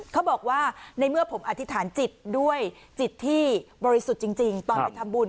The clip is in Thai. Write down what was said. เขาบอกว่าในเมื่อผมอธิษฐานจิตด้วยจิตที่บริสุทธิ์จริงตอนไปทำบุญ